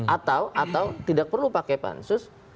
atau tidak perlu pakai pansus